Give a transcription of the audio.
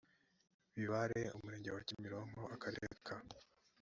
bibare umurenge wa kimironko akarere ka